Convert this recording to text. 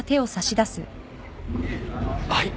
はい。